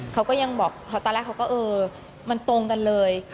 เขาก็ยังบอกตอนแรกเขาก็เออมันตรงกันเลย